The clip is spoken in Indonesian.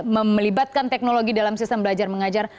melibatkan teknologi dalam sistem belajar mengajar